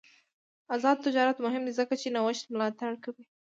آزاد تجارت مهم دی ځکه چې نوښت ملاتړ کوي.